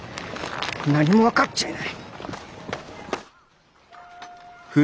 何も分かっちゃいない。